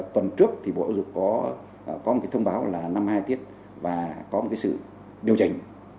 tuần trước thì bộ giáo dục có một cái thông báo là năm hai tiết và có một sự điều chỉnh